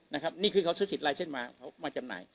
นะครับนี่คือเขาซื้อสิทธิ์ลายเซ็นต์มาเขามาจำหน่าย